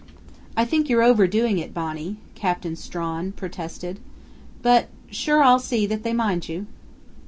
"I think you're overdoing it, Bonnie," Captain Strawn protested. "But sure I'll see that they mind you."